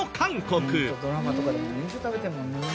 ホントドラマとかでも年中食べてるもんね。